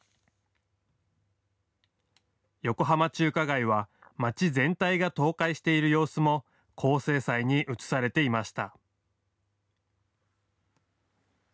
横浜中華街は街全体が倒壊している様子も高精細に写されていました。